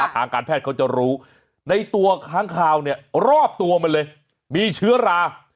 ทางการแพทย์เขาจะรู้ในตัวค้างคาวเนี่ยรอบตัวมันเลยมีเชื้อรา